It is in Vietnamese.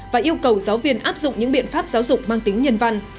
và yêu cầu giáo viên áp dụng những biện pháp giáo dục mang tính nhân văn